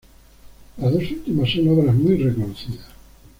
Las dos últimas son obras muy reconocidas.